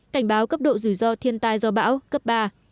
cảnh báo cấp độ rủi ro thiên tai do bão cấp ba